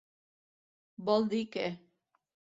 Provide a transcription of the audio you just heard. Vol dir que.